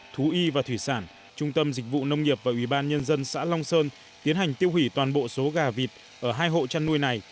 thú y và thủy sản trung tâm dịch vụ nông nghiệp và ubnd xã long sơn tiến hành tiêu hủy toàn bộ số gà vịt ở hai hộ trăn nuôi này